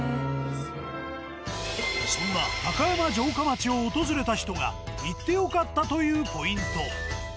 そんな高山城下町を訪れた人が行って良かったというポイント。